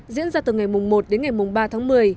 diễn ra từ ngày một đến ngày ba tháng một mươi